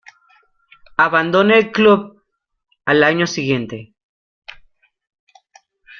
Abandona el club al año siguiente.